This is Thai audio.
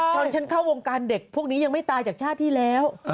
ฉันเข้าวงการเด็กพวกนี้ยังไม่ตายจากชาติที่แล้ว